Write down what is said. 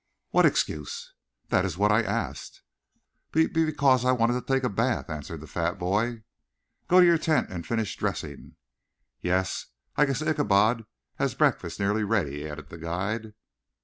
"What excuse?" "That is what I asked." "Be be because I wanted to take a bath," answered the fat boy. "Go to your tent and finish dressing." "Yes, I guess Ichabod has breakfast nearly ready," added the guide.